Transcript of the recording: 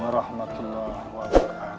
arhamatullah wa sallam